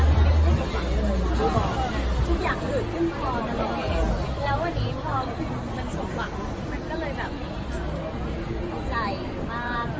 ทุกอย่างเหลือขึ้นตรงนี้แล้ววันนี้พรมมันสมหวังมันก็เลยแบบใจมาก